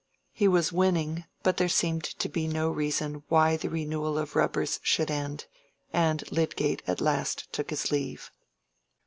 He was winning, but there seemed to be no reason why the renewal of rubbers should end, and Lydgate at last took his leave.